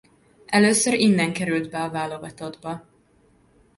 Először innen került be a válogatottba.